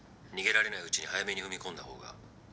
逃げられないうちに早めに踏み込んだ方が。